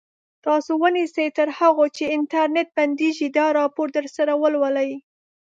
تاسو ونیسئ تر هغو چې انټرنټ بندېږي دا راپور درسره ولولئ.